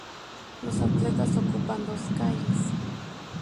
Los atletas ocupaban dos calles.